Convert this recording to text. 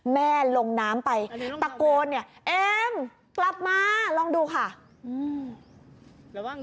แม่ลงน้ำไปตะโกนเนี่ยเอ็มกลับมาลองดูค่ะ